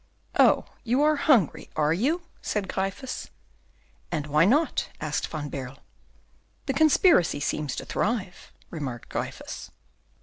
"Oh! you are hungry, are you?" said Gryphus. "And why not?" asked Van Baerle. "The conspiracy seems to thrive," remarked Gryphus.